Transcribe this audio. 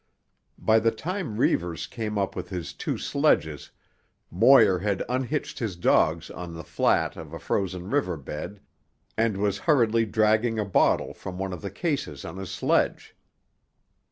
By the time Reivers came up with his two sledges Moir had unhitched his dogs on the flat of a frozen river bed and was hurriedly dragging a bottle from one of the cases on his sledge.